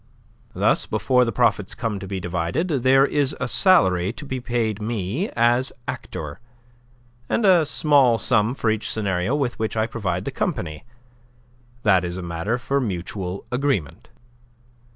Thus before the profits come to be divided, there is a salary to be paid me as actor, and a small sum for each scenario with which I provide the company; that is a matter for mutual agreement.